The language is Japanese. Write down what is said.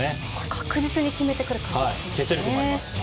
確実に決めてくる感じがしますね。